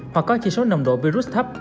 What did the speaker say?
hoặc có chỉ số nồng độ virus thấp